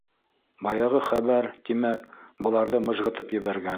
Баяғы хәбәр, тимәк, быларҙы мыжғытып ебәргән.